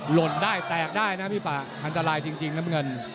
หล่นได้แตกได้นะพี่ป่าอันตรายจริงน้ำเงิน